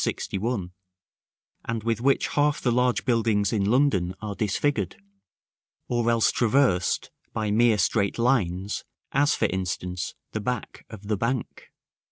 61, and with which half the large buildings in London are disfigured, or else traversed by mere straight lines, as, for instance, the back of the Bank.